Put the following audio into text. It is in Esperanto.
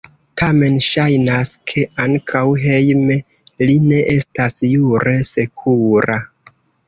Tamen ŝajnas, ke ankaŭ hejme li ne estas jure sekura.